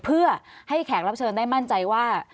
เพื่อให้แขกรับเชิญได้มั่นใจว่า